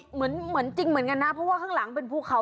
เหมือนจริงเหมือนกันนะเพราะว่าข้างหลังเป็นภูเขา